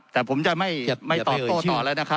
แต่ผมจะไม่ตอบโต้ต่อเลยนะครับ